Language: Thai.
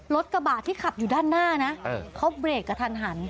กระบาดที่ขับอยู่ด้านหน้านะเขาเบรกกระทันหัน